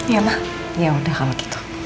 iya ma ya udah kalau gitu